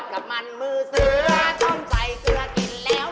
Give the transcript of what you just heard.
หมายพองแล้ว